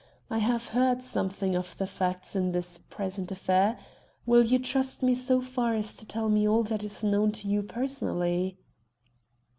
I have heard something of the facts in this present affair. Will you trust me so far as to tell me all that is known to you personally?"